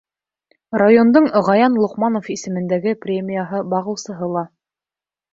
Райондың Ғаян Лоҡманов исемендәге премияһы бағыусыһы ла.